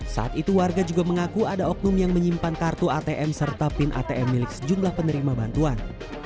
saat itu warga juga mengaku ada oknum yang menyimpan kartu atm serta pin atm milik sejumlah penerima bantuan